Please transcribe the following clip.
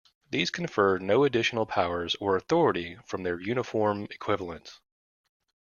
These confer no additional powers or authority from their uniform equivalents.